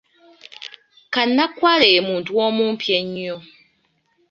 Kannakwale ye muntu omumpi ennyo.